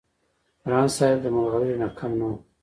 ګران صاحب د ملغلرې نه کم نه وو-